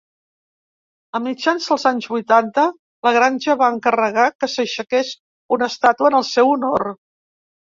A mitjans dels anys vuitanta, la granja va encarregar que s'aixequés una estàtua en el seu honor.